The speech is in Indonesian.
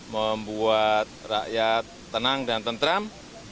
membuat rakyat tenang dan tentram